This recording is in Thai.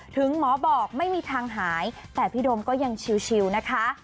ถึงหมอบอกไม่มีทางหายแต่พี่โดมก็ยังชิวนะคะ